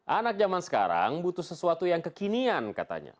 anak zaman sekarang butuh sesuatu yang kekinian katanya